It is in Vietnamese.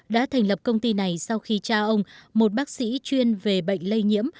đã thành lập công ty này sau khi cha ông một bác sĩ chuyên về bệnh lây nhiễm